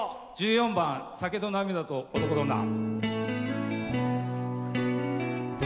１４番「酒と泪と男と女」。